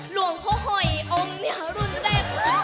หลวงพ่อหอยอมเนี่ยรุ่นแรก